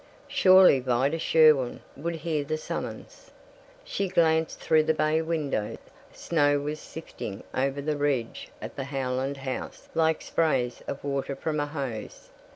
Surely Vida Sherwin would hear the summons. She glanced through the bay window. Snow was sifting over the ridge of the Howland house like sprays of water from a hose.